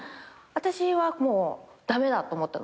私はもう駄目だと思ったの。